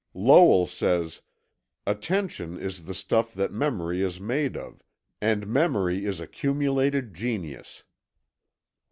Lowell says: "Attention is the stuff that Memory is made of, and Memory is accumulated Genius."